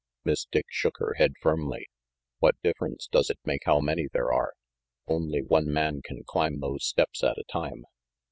Miss Dick shook her head firmly. "What difference does it make how many there are? Only one man can climb those steps at a time."